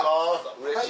うれしい。